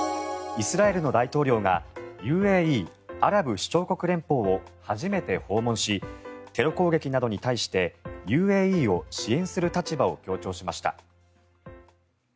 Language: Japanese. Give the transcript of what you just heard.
イスラエルの大統領がＵＡＥ・アラブ首長国連邦を初めて訪問しテロ攻撃などに対してＵＡＥを支援する立場を強調しました。